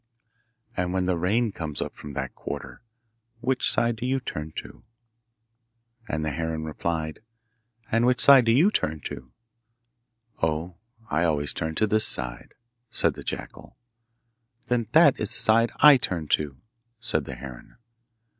'And when the rain comes from that quarter, which side do you turn to?' And the heron replied, 'And which side do you turn to?' 'Oh, I always turn to this side,' said the jackal. 'Then that is the side I turn to,' said the heron.